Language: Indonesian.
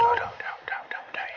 udah udah udah udah udah ya